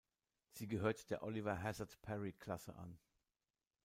Sie gehört der "Oliver-Hazard-Perry-Klasse" an.